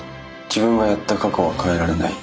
自分がやった過去は変えられない。